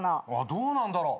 どうなんだろう。